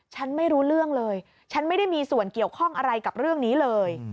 ฉันไม่รู้เรื่องเลยฉันไม่ได้มีส่วนเกี่ยวข้องอะไรกับเรื่องนี้เลย